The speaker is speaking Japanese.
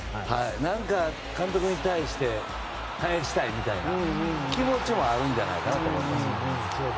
何か監督に対して返したいみたいな気持ちもあるんじゃないかなと思います。